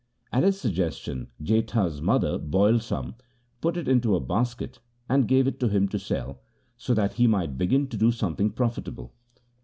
At his suggestion Jetha's mother boiled some, put it into a basket, and gave it to him to sell, so that he might begin to do something profitable.